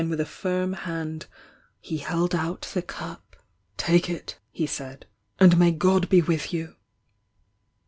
h a firm hand he held out the cup S^'*'l'?f ^I'J 'And may God be with you!"